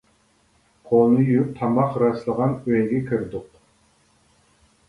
قولنى يۇيۇپ تاماق راسلىغان ئۆيگە كىردۇق.